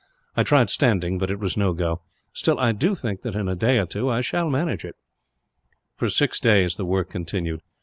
I tried standing, but it was no go; still, I do think that, in a day or two, I shall manage it." For six days the work continued.